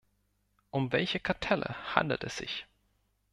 Um welche Kartelle handelt es sich?